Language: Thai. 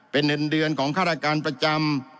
เป็นเดือนของค่าระการประจำ